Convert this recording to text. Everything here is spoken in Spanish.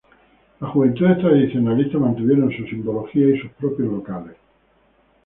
Las juventudes tradicionalistas mantuvieron su simbología y sus propios locales.